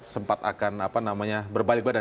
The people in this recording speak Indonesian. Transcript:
sempat akan berbalik badan